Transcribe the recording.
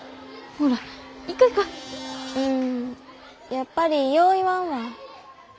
やっぱりよう言わんわ。